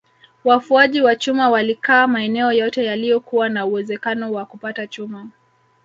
Wafuaji wa chuma walikaa maeneo yote yaliyokuwa na uwezekano wa kupata chuma